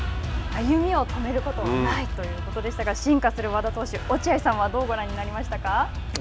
歩みを止めることはないということでしたが、進化する和田投手落合さんはどうご覧になりましたか。